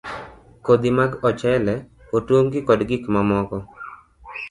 Kodhi mag ochele, otungi, kod gik mamoko